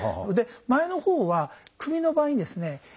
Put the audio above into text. それで前のほうは首の場合にですね